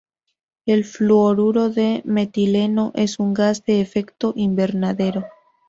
El fluoruro de metileno es un gas de efecto Invernadero.